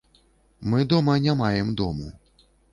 Мы дома не маем дому.